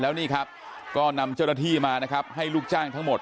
แล้วนี่ครับก็นำเจ้าหน้าที่มานะครับให้ลูกจ้างทั้งหมด